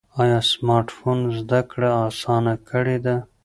ایا سمارټ فون زده کړه اسانه کړې ده؟